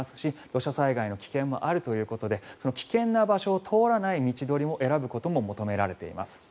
土砂災害の危険もあるということで危険な道を通らない道のりを選ぶことも求められています。